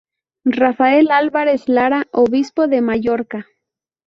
Rafael Álvarez Lara, obispo de Mallorca.